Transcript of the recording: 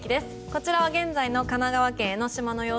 こちらは現在の神奈川県江の島。